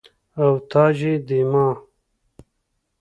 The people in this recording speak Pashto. او تاج يي ديما